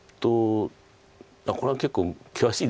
これは結構険しいです。